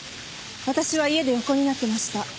私は家で横になってました。